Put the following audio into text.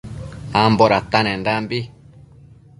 Ambo datanendanbi